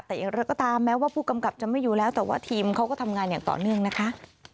แต่อย่างไรก็ตามแม้ว่าผู้กำกับจะไม่อยู่แล้วแต่ว่าทีมเขาก็ทำงานอย่างต่อเนื่องนะคะ